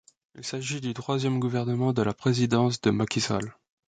Il s'agit du troisième gouvernement de la présidence de Macky Sall.